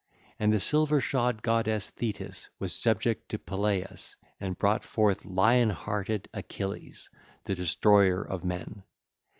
And the silver shod goddess Thetis was subject to Peleus and brought forth lion hearted Achilles, the destroyer of men.